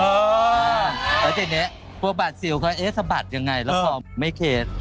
แล้วทีนี้พวกบาดซิลเขาเอ๊ะสะบัดยังไงแล้วพอไม่เคส